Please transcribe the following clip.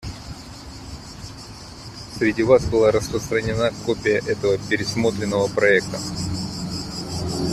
Среди вас была распространена копия этого пересмотренного проекта.